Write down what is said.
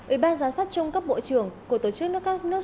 ủy ban giám sát trung cấp bộ trưởng của tổ chức nước các nước